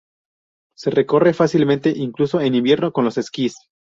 Se recorre fácilmente incluso en invierno con los esquíes.